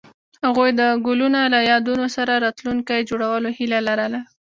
هغوی د ګلونه له یادونو سره راتلونکی جوړولو هیله لرله.